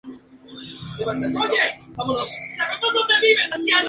En el parque conviven distintos estilos de jardinería, con una fuerte temática tropical.